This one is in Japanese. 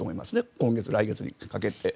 今月、来月にかけて。